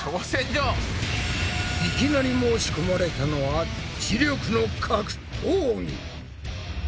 いきなり申し込まれたのは知力の格闘技！